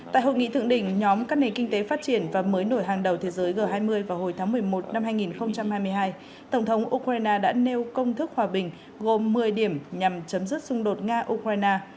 tại hội nghị thượng đỉnh nhóm các nền kinh tế phát triển và mới nổi hàng đầu thế giới g hai mươi vào hồi tháng một mươi một năm hai nghìn hai mươi hai tổng thống ukraine đã nêu công thức hòa bình gồm một mươi điểm nhằm chấm dứt xung đột nga ukraine